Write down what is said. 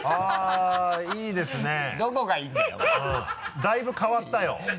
だいぶ変わったよ。